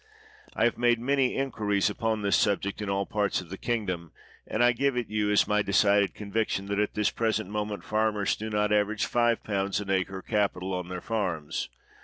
I have made many inquiries upon this subject in all parts of the kingdom, and I give it you as my decided conviction, that at this present moment farmers do not average 51. an acre capital on their farms.